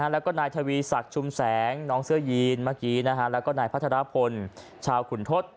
แล้วก็นายทวีศักดิ์ชุมแสงน้องเสื้อยีนเมื่อกี้แล้วก็นายพัทรพลชาวขุนทศ